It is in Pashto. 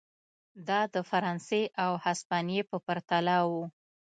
دا د فرانسې او هسپانیې په پرتله و.